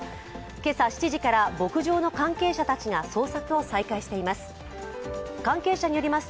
今朝７時から牧場の関係者たちが捜索を再開しています。